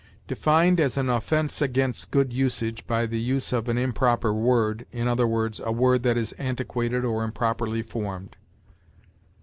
Defined as an offense against good usage, by the use of an improper word, i. e., a word that is antiquated or improperly formed.